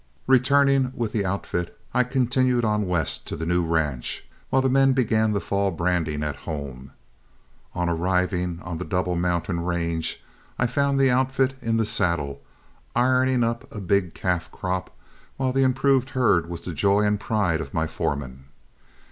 Returning with the outfit, I continued on west to the new ranch, while the men began the fall branding at home. On arriving on the Double Mountain range, I found the outfit in the saddle, ironing up a big calf crop, while the improved herd was the joy and pride of my foreman.